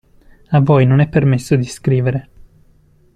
A voi non è permesso di scrivere.